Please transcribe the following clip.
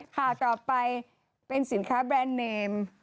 ข่าวต่อไปเป็นสินค้าแบรนด์เนม